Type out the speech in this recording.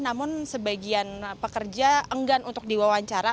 namun sebagian pekerja enggan untuk diwawancara